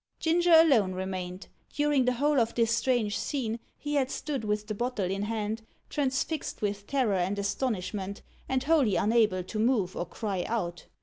Ginger alone remained. During the whole of this strange scene, he had stood with the bottle in hand, transfixed with terror and astonishment, and wholly unable to move or cry out.